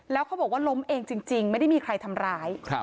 แล้วเขาบอกว่าล้มเองจริงไม่ได้มีใครทำร้าย